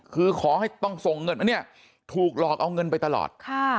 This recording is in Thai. คือขอให้ต้องส่งเงินอันนี้ถูกหลอกเอาเงินไปตลอด